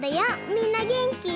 みんなげんき？